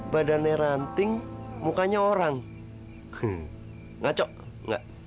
badannya ranting mukanya orang ngaco nggak